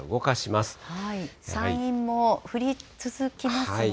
山陰も降り続きますね。